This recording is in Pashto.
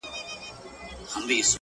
خو وحدت الوجود